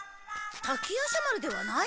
滝夜叉丸ではない？